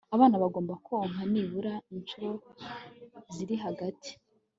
abana bagomba konka nibura incuro ziri hagati